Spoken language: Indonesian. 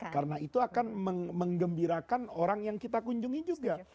karena itu akan mengembirakan orang yang kita kunjungi juga